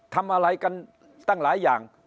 ทำอะไรกันตั้งหลายอย่าง